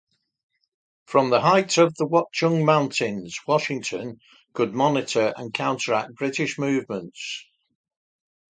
From the heights of the Watchung mountains, Washington could monitor and counteract British movements.